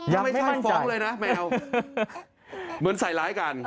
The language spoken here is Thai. ยังไม่มั่นใจยังไม่ใช่ฟ้องเลยนะแมวเหมือนใส่ร้ายกัน